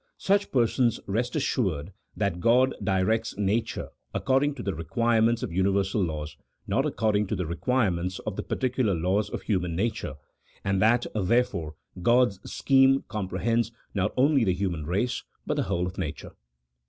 Such persons rest assured that God directs nature according to the requirements of universal laws, not accord ing to the requirements of the particular laws of human nature, and that, therefore, God's scheme comprehends, not only the human race, but the whole of nature.